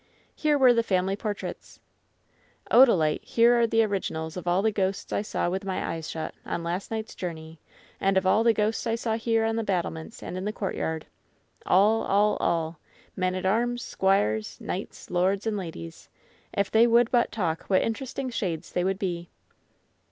Here were the family portraits. "Odalite, here are the originals of all the ghosts I saw with my eyes shut, on last night's journey, and of all the ghosts I saw here on the battlements and in the court yard — all, all, all — ^men at arms, squires, knights, lords and ladies. If they would but talk, what interesting shades they would be!''